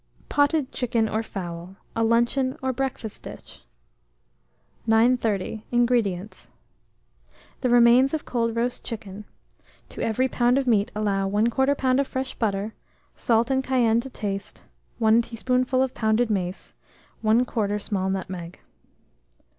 POTTED CHICKEN OR FOWL (a Luncheon or Breakfast Dish). 930. INGREDIENTS. The remains of cold roast chicken; to every lb. of meat allow 1/4 lb. of fresh butter, salt and cayenne to taste, 1 teaspoonful of pounded mace, 1/4 small nutmeg.